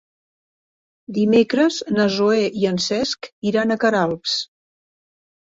Dimecres na Zoè i en Cesc iran a Queralbs.